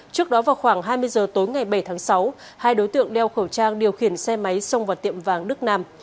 trước đó vào khoảng hai mươi giờ tối ngày bảy tháng sáu hai đối tượng đeo khẩu trang điều khiển xe máy xông vào tiệm vàng đức nam